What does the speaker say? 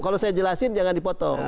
kalau saya jelasin jangan dipotong